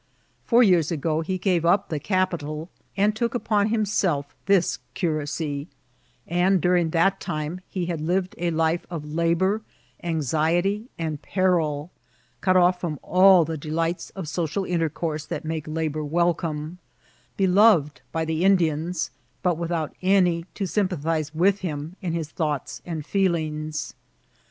Four years be fore he gave up the capital, and took upon himself this euracy, and during that time he had lived a life of la^ bonr, anxiety, and peril ; cut off from all the delights of social intercourse that make labomr welcome, be* loved by the Indians, but without any to sympathiaao with him in his thoughts and feelings.